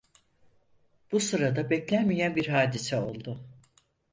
Bu sırada beklenmeyen bir hadise oldu.